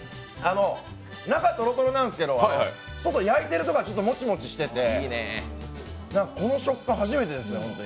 中とろとろなんですけど外、焼いてるところはもちもちしててこの食感、初めてですね。